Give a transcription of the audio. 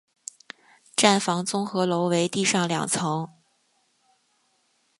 站房综合楼为地上两层。